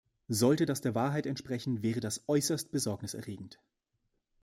Sollte das der Wahrheit entsprechen, wäre das äußerst Besorgnis erregend.